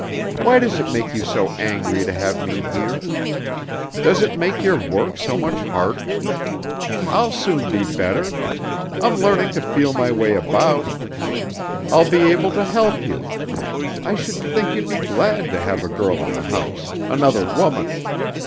Why does it make you so angry to have me here? Does it make your work so much harder? I'll soon be better; I'm learning to feel my way about. I'll be able to help you. I should think you'd be glad to have a girl in the house another woman.